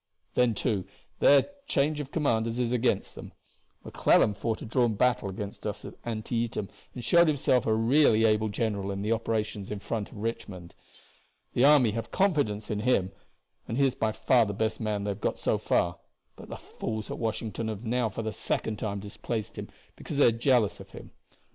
Then, too, their change of commanders is against them. McClellan fought a drawn battle against us at Antietam and showed himself a really able general in the operations in front of Richmond. The army have confidence in him, and he is by far the best man they have got so far, but the fools at Washington have now for the second time displaced him because they are jealous of him.